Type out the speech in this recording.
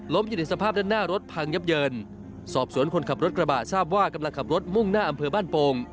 อยู่ในสภาพด้านหน้ารถพังยับเยินสอบสวนคนขับรถกระบะทราบว่ากำลังขับรถมุ่งหน้าอำเภอบ้านโป่ง